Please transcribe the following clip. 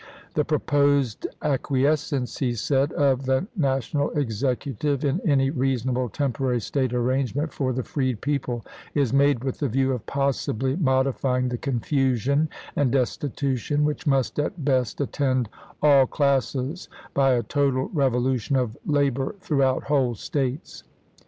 "The proposed acquiescence," he said, " of the National Executive in any reasonable temporary State arrangement for the freed people is made with the view of possibly modifying the confusion and destitution which must at best at tend all classes by a total revolution of labor throughout whole States.